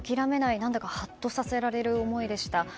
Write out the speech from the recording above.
何だかハッとさせられる思いでした。